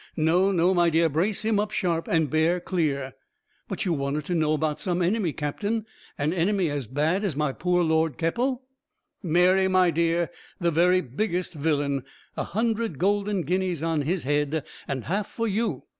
No, no, my dear, brace him up sharp, and bear clear." "But you wanted to know about some enemy, captain. An enemy as bad as my poor Lord Keppel?" "Mary, my dear, the very biggest villain! A hundred golden guineas on his head, and half for you.